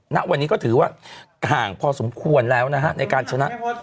ณวันนี้ก็ถือว่าห่างพอสมควรแล้วนะฮะในการชนะ